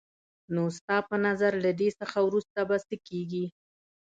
نو ستا په نظر له دې څخه وروسته به څه کېږي؟